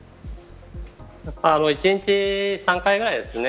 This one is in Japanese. １日３回ぐらいですね。